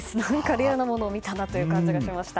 レアなものを見たなという感じがしました。